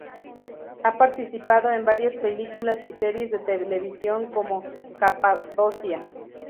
Ha participado en varias películas y series de televisión como "Capadocia".